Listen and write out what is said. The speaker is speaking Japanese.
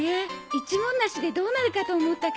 一文無しでどうなるかと思ったけど。